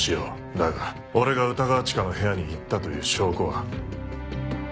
だが俺が歌川チカの部屋に行ったという証拠は？